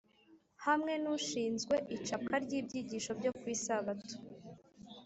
hamwe nushinzwe icapwa ryibyigisho byo kwisabato